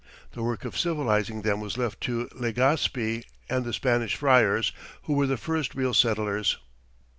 The work of civilizing them was left to Legaspi and the Spanish friars, who were the first real settlers.